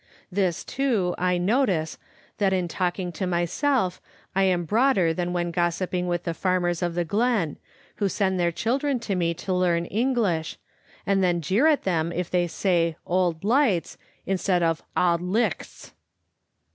This, too, I notice, that in talking to myself I am broader than when gossiping with the farmers of the glen, who send their children to me to learn English, and then jeer at them if they say " old lighfe" instead of " auld lichts."